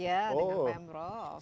ya dengan pemprov